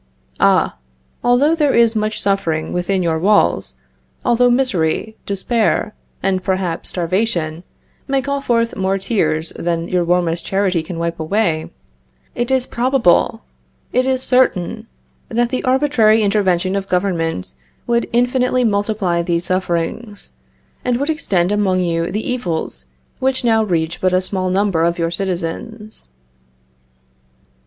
Ah! although there is much suffering within your walls; although misery, despair, and perhaps starvation, may call forth more tears than your warmest charity can wipe away, it is probable, it is certain, that the arbitrary intervention of government would infinitely multiply these sufferings, and would extend among you the evils which now reach but a small number of your citizens.